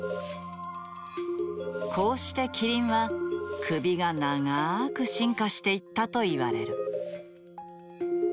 こうしてキリンは首が長く進化していったといわれる。